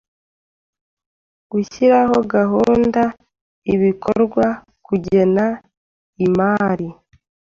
gushyiraho gahunda ibikorwa kugena imari